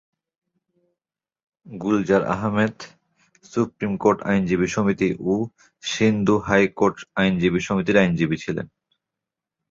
Gulzar Ahmed supreme court আইনজীবী সমিতি ও সিন্ধু হাইকোর্ট আইনজীবী সমিতির আইনজীবী ছিলেন।